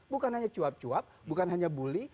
bukan hanya cuap cuap bukan hanya bully